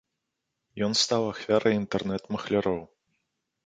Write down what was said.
Ён стаў ахвярай інтэрнэт-махляроў.